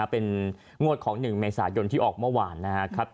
เป็นงวดของ๑เมษายนที่ออกเมื่อวานนะครับ